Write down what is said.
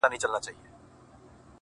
چي خر نه لرې، خر نه ارزې.